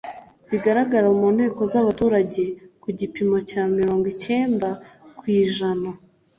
bigaragara mu nteko z’abaturage ku gipimo cya mirongo icyenda ku ijana